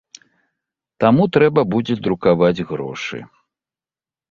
Таму трэба будзе друкаваць грошы.